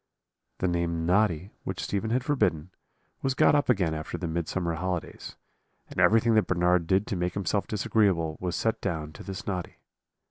"The name Noddy, which Stephen had forbidden, was got up again after the Midsummer holidays; and everything that Bernard did to make himself disagreeable was set down to this Noddy.